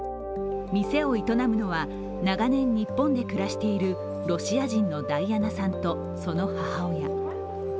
店を営むのは、長年日本で暮らしているロシア人のダイアナさんとその母親。